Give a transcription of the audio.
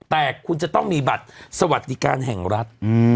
แต่คุณจะต้องมีบัตรสวัสดิการแห่งรัฐ